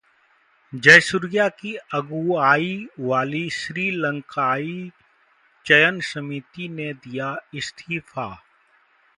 जयसूर्या की अगुआई वाली श्रीलंकाई चयनसमिति ने दिया इस्तीफा